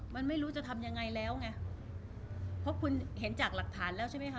มันไม่รู้จะทำยังไงแล้วไงเพราะคุณเห็นจากหลักฐานแล้วใช่ไหมคะ